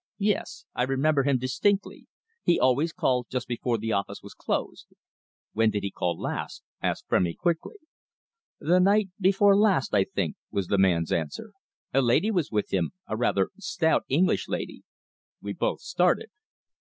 Yes. I remember him distinctly. He always called just before the office was closed." "When did he call last?" asked Frémy quickly. "The night before last, I think," was the man's answer. "A lady was with him a rather stout English lady." We both started.